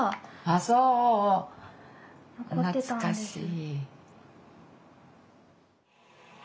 ああそう懐かしい。